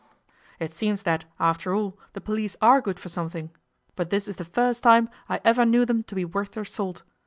'It seems that, after all, the police are good for something. But this is the first time I ever knew them to be worth their salt.